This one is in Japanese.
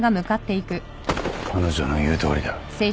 彼女の言うとおりだ。